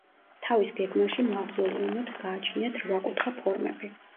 თავის გეგმაში მავზოლეუმებს გააჩნიათ რვაკუთხა ფორმები.